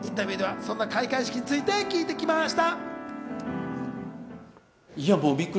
インタビューでは、そんな開会式について聞いてきました。